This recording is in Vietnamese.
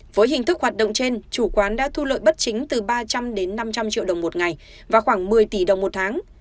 với hình thức hoạt động trên chủ quán đã thu lợi bất chính từ ba trăm linh đến năm trăm linh triệu đồng một ngày và khoảng một mươi tỷ đồng một tháng